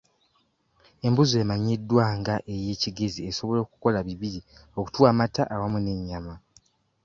Embuzi emanyiddwa nga ey'e Kigezi esobola okukola bibiri okutuwa amata awamu n'ennyama.